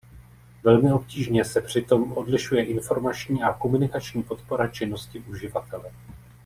Velmi obtížně se při tom odlišuje informační a komunikační podpora činnosti uživatele.